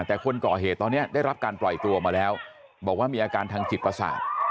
แต่คนก่อเหตุตอนนี้ได้รับการปล่อยตัวมาแล้วบอกว่ามีอาการทางจิตประสาท